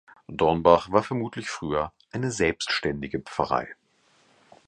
Dornbach war vermutlich früher eine selbständige Pfarrei.